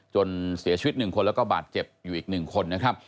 จนเสียชีวิต๑คนแล้วก็บาดเจ็บอยู่อีก๑คนนะครับ